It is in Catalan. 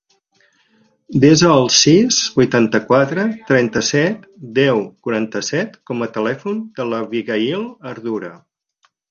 Desa el sis, vuitanta-quatre, trenta-set, deu, quaranta-set com a telèfon de l'Abigaïl Ardura.